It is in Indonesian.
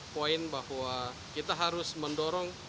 poin bahwa kita harus mendorong